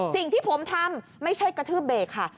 สิ่งที่ผมทำไม่ใช่กระทืบเบรกค่ะ